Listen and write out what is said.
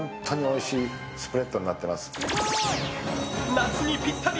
夏にぴったり！